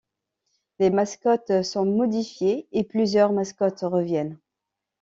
Les mascottes sont modifiés et plusieurs mascottes reviennent.